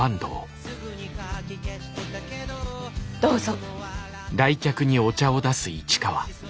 どうぞ。